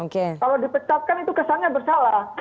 kalau dipecatkan itu kesannya bersalah